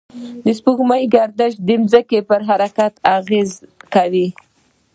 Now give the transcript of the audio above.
د سپوږمۍ گردش د ځمکې پر حرکت اغېز کوي.